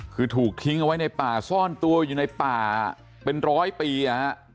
คือถูกทิ้งเอาไว้ในป่าซ่อนตัวอยู่ในป่าเป็นร้อยปี